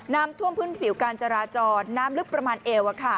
น้ำท่วมพื้นผิวการจราจรน้ำลึกประมาณเอว